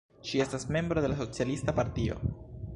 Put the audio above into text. Ŝi estas membro de la Socialista Partio.